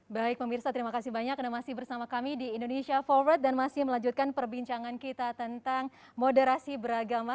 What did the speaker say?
baik pemirsa terima kasih banyak anda masih bersama kami di indonesia forward dan masih melanjutkan perbincangan kita tentang moderasi beragama